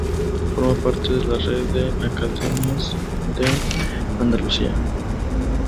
Forma parte de la red de Academias de Andalucía.